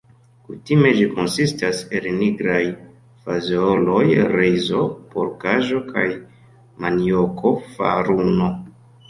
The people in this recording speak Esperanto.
Kutime ĝi konsistas el nigraj fazeoloj, rizo, porkaĵo kaj manioko-faruno.